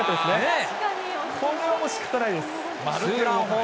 これはもうしかたないです。